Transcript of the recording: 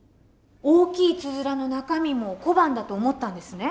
大きいつづらの中身も小判だと思ったんですね？